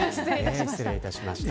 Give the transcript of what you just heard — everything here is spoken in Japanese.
失礼いたしました。